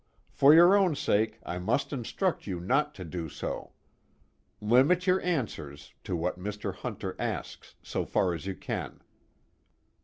For your own sake I must instruct you not to do so. Limit your answers to what Mr. Hunter asks, so far as you can."